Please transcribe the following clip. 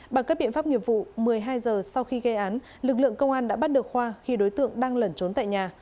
bằng các biện pháp nghiệp vụ một mươi hai giờ sau khi gây án lực lượng công an đã bắt được khoa khi đối tượng đang lẩn trốn tại nhà